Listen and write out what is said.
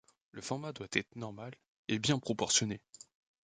Le format doit être normal et bien proportionné.